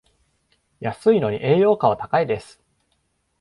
安いのに栄養価は高いです